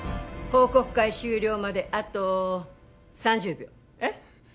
報告会終了まであと３０秒えっ？